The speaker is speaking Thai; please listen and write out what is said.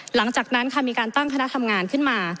หลังจากนั้นค่ะมีการตั้งคณะทำงานขึ้นมา